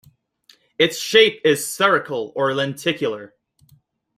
Its shape is spherical or lenticular.